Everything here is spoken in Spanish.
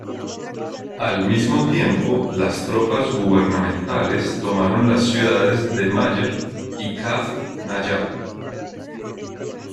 Al mismo tiempo, las tropas gubernamentales tomaron las ciudades de Mayer y Kafr Naya.